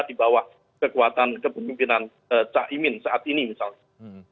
di bawah kekuatan kepemimpinan caimin saat ini misalnya